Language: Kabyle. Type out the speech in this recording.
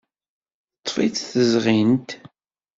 Teḍḍef-itt tezɣint.